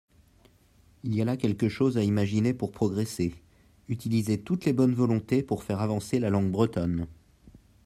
Il y a là quelque chose à imaginer pour progresser : utiliser toutes les bonnes volontés pour faire avancer la langue bretonne.